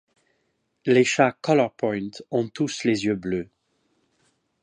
Les chats colourpoint ont tous les yeux bleus.